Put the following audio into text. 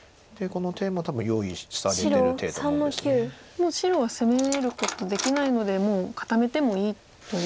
もう白は攻めることできないのでもう固めてもいいということなんですか？